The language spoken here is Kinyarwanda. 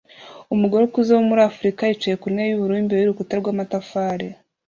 Umugore ukuze wo muri Afurika yicaye ku ntebe yubururu imbere yurukuta rwamatafari